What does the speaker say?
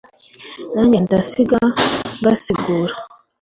nanjye ndasiga ngasigura